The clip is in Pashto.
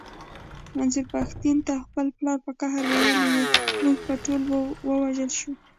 منظور پښتين ته خپل پلار په قهر ويلي و مونږ به ټول ووژل شو.